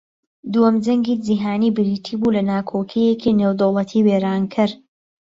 دووەم جەنگی جیھانی بریتی بوو لە ناکۆکییەکی نێودەوڵەتی وێرانکەر